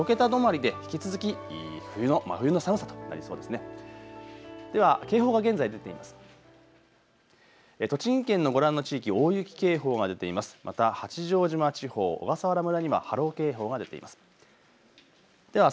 では警報が現在、出ています。